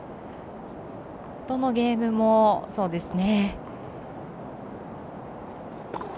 どのゲームもそうですね。